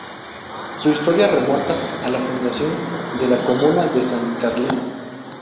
Su historia remonta a la fundación de la comuna de San Carlina.